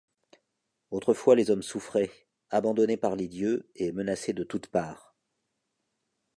Autrefois les hommes souffraient, abandonnés par les dieux et menacés de toute part.